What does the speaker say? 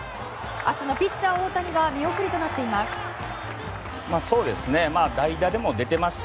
明日のピッチャー大谷は見送りとなっています。